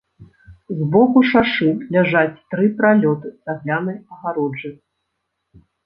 З боку шашы ляжаць тры пралёты цаглянай агароджы.